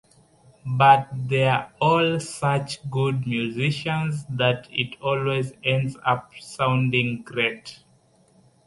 But there're all such good musicians that it always ends up sounding great.